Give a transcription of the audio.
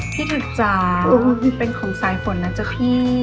ถัดจ๋าเป็นของสายฝนนะจ๊ะพี่